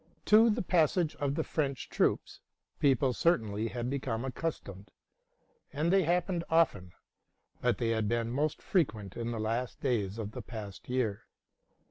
'To the passage of the French troops people certainly had become accus tomed; and they happened often, but they had been most frequent in the last days of the past year.